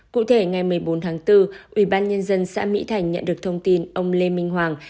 cụ thể ngày một mươi bốn tháng bốn ủy ban nhân dân xã mỹ thành nhận được thông tin ông lê minh hoàng